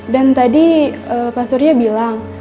dan tadi pak surya bilang